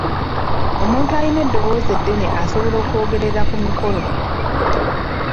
Omuntu ayina eddoboozi eddene asobola okwogerera ku mikolo.